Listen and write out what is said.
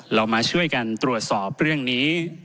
เรามาช่วยกันตรวจสอบเรื่องนี้